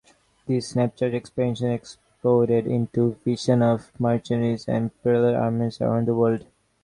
These snapshot experiences exploded into visions of mercenaries and imperial armies around the world.